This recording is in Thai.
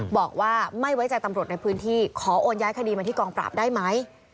บอกว่าไม่ไว้ใจตำรวจในพื้นที่ขอโอนย้ายคดีมาที่กองปราบได้ไหม